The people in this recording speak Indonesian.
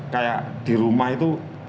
kayak di rumah itu